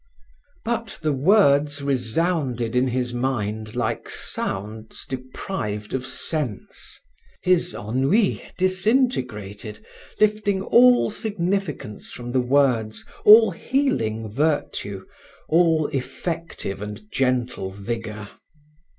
But the words resounded in his mind like sounds deprived of sense; his ennui disintegrated, lifting all significance from the words, all healing virtue, all effective and gentle vigor.